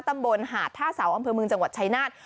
ตำบลหาดท่าเสาอำเภอเมืองจังหวัดชายนาฏ